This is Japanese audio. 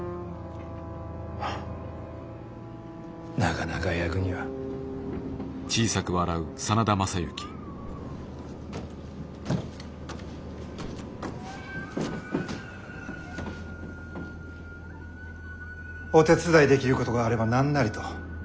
ハッなかなか役には。お手伝いできることがあれば何なりと。